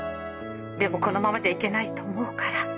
☎でもこのままじゃいけないと思うから。